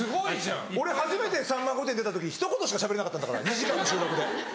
俺初めて『さんま御殿‼』出た時ひと言しかしゃべれなかった２時間の収録で。